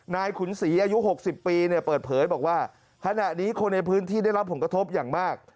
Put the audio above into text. ขุนศรีอายุ๖๐ปีเนี่ยเปิดเผยบอกว่าขณะนี้คนในพื้นที่ได้รับผลกระทบอย่างมาก